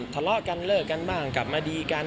ทะเลาะกันเลิกกันบ้างกลับมาดีกัน